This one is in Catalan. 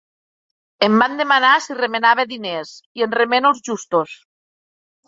Em van demanar si remenava diners, i en remeno els justos.